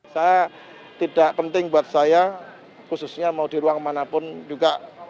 saya tidak penting buat saya khususnya mau di ruang manapun juga